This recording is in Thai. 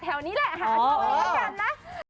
แถวนี้แหละหาเจ้าอะไรให้กันนะ